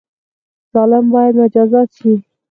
ظالم باید مجازات شي